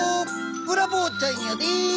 ブラボーちゃんやで！